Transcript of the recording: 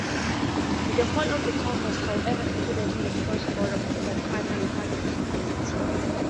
The whole of the town was, however, included in the cross-border Phokwane Local Municipality.